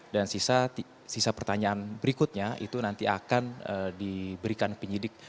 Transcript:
sisa pertanyaan berikutnya itu nanti akan diberikan penyidik